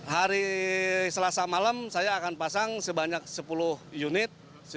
hari selasa malam saya akan pasang sebanyak sepuluh unit